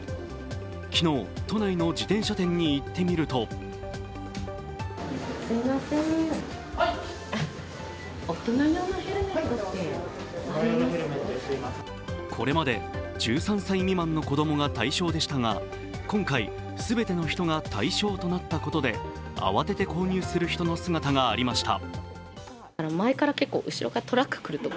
昨日、都内の自転車店に行ってみるとこれまで１３歳未満の子供が対象でしたが今回全ての人が対象となったことで、慌てて購入する人の姿がありました。